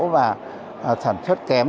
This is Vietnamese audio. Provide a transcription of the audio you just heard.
và sản xuất kém